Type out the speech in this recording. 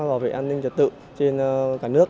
bảo vệ an ninh trật tự trên cả nước